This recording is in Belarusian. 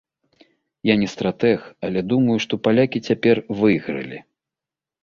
Я не стратэг, але думаю, што палякі цяпер выйгралі.